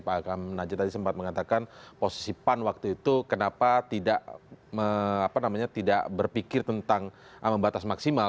pak hakam najai tadi sempat mengatakan posisi pan waktu itu kenapa tidak berpikir tentang membatasi maksimal